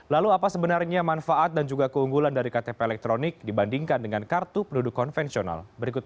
lalu apa sebenarnya manfaat dan juga keunggulan dari ktp elektronik dibandingkan dengan kartu penduduk konvensional